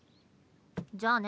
じゃあね。